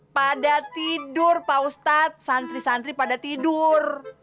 pada tidur pak ustadz santri santri pada tidur